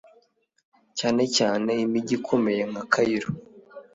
Cyane cyane imijyi ikomeye nka Cairo